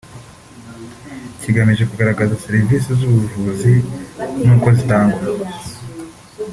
kigamije kugaragaza serivisi z’ubuvuzi n’uko zitangwa